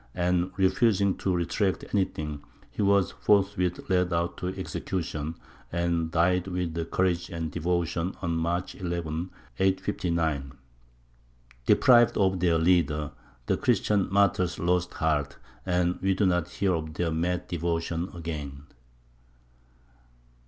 And refusing to retract anything, he was forthwith led out to execution, and died with courage and devotion on March 11, 859. Deprived of their leader, the Christian martyrs lost heart, and we do not hear of their mad devotion again.